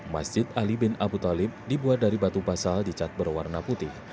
masjid ali bin abu talib dibuat dari batu basal dicat berwarna putih